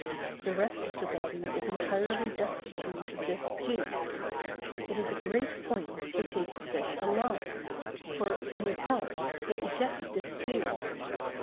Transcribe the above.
The rest of the body is entirely destitute of this juice. It is a great point to take the fish alive; for when it dies, it ejects this juice.